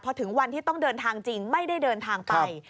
พอถึงวันที่ต้องเดินทางจริงไม่ได้เดินทางไป